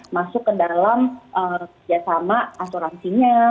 masuk ke dalam asuransinya